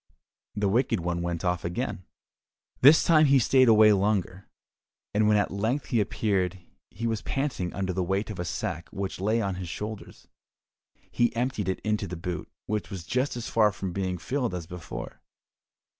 The Wicked One went off again. This time he stayed away longer, and when at length he appeared he was panting under the weight of a sack which lay on his shoulders. He emptied it into the boot, which was just as far from being filled as before.